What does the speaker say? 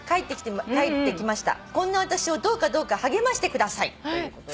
「こんな私をどうかどうか励ましてください」ということで。